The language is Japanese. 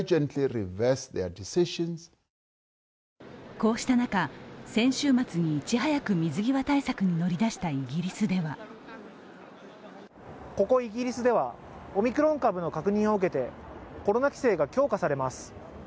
こうした中、先週末にいち早く水際対策に乗り出したイギリスではここイギリスでは、オミクロン株の確認を受けてコロナ規制が強化されます。